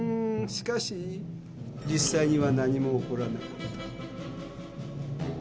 しかし実際には何も起こらなかった。